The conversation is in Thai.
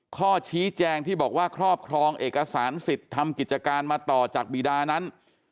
ข้อชี้แจงที่บอกว่าครอบครองเอกสารสิทธิ์ทำกิจการมาต่อจากบีดานั้น